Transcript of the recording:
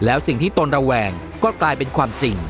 แล้วสิ่งที่ตนระแวงก็กลายเป็นความจริง